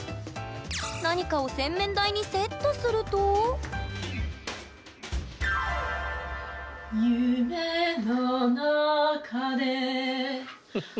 何かを洗面台にセットするとフフフ！